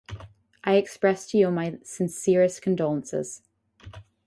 I express to you my sincerest condolences.